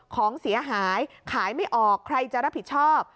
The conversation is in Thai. ของเสียหายขายไม่ออกใครจะรับผิดชอบ